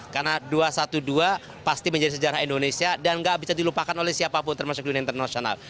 karena dua ratus dua belas pasti menjadi sejarah indonesia dan enggak bisa dilupakan oleh siapapun termasuk dunia internasional